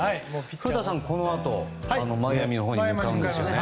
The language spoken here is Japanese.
古田さん、このあとマイアミのほうに向かうと。